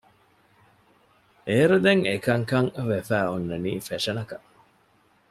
އޭރުދެން އެކަންކަން ވެފައި އޮންނަނީ ފެޝަނަކަށް